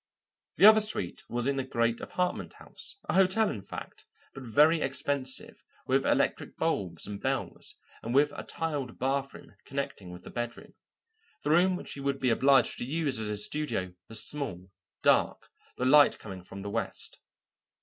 The other suite was in a great apartment house, a hotel in fact, but very expensive, with electric bulbs and bells, and with a tiled bathroom connecting with the bedroom. The room which he would be obliged to use as his studio was small, dark, the light coming from the west.